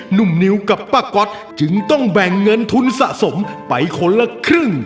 หนุ่มนิวกับป้าก๊อตจึงต้องแบ่งเงินทุนสะสมไปคนละครึ่ง